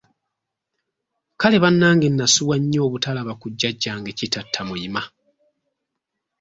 Kale bannange nasubwa nnyo obutalaba ku Jjajjange Kitattamuyima!